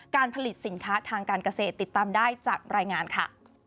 การผลิตสินค้าทางการเกษตรติดตามได้จากรายงานค่ะ